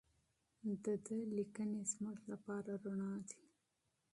د ده لیکنې زموږ مشعل دي.